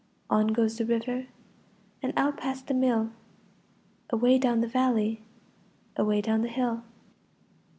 On goes the river And out past the mill, Away down the valley, Away down the hill.